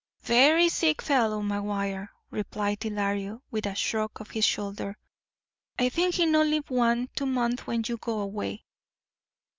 "Verree sick fellow, McGuire," replied Ylario, with a shrug of his shoulder. "I theenk he no live one, two month when he go away."